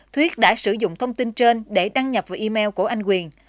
thuyết đã sử dụng thông tin trên để đăng nhập vào email của anh quyền